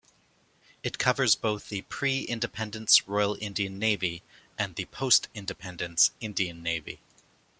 It covers both the pre-independence Royal Indian Navy and the post-independence Indian Navy.